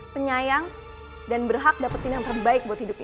penyayang dan berhak dapetin yang terbaik buat hidup ini